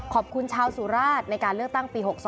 ขอบคุณชาวสุราชในการเลือกตั้งปี๖๒